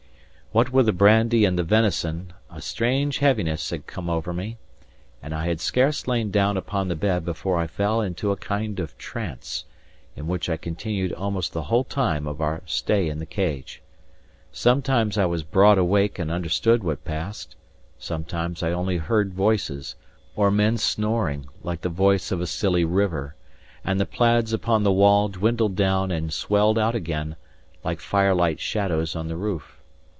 What with the brandy and the venison, a strange heaviness had come over me; and I had scarce lain down upon the bed before I fell into a kind of trance, in which I continued almost the whole time of our stay in the Cage. Sometimes I was broad awake and understood what passed; sometimes I only heard voices, or men snoring, like the voice of a silly river; and the plaids upon the wall dwindled down and swelled out again, like firelight shadows on the roof.